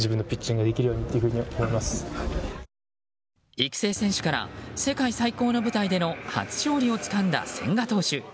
育成選手から世界最高の舞台での初勝利をつかんだ千賀投手。